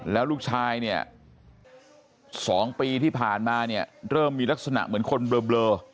แล้วลูกชายเนี่ย๒ปีที่ผ่านมาเนี่ยเริ่มมีลักษณะเหมือนคนเบลอ